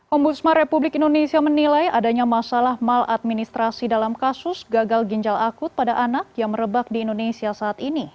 ombudsman republik indonesia menilai adanya masalah maladministrasi dalam kasus gagal ginjal akut pada anak yang merebak di indonesia saat ini